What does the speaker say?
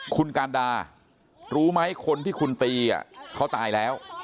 คุณการดารู้ไหมคนที่คุณตีเขาตายแล้ว